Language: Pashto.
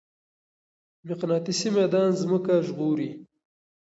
مقناطيسي ميدان ځمکه ژغوري.